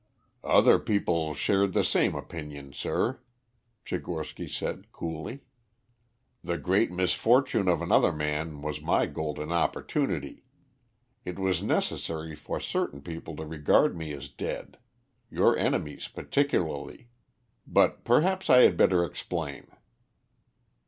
"Other people shared the same opinion, sir," Tchigorsky said coolly. "The great misfortune of another man was my golden opportunity. It was necessary for certain people to regard me as dead your enemies particularly. But perhaps I had better explain."